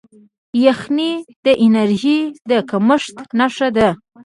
یخني د انرژۍ د کمښت نښه ده.